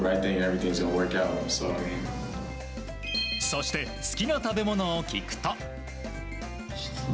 そして好きな食べ物を聞くと。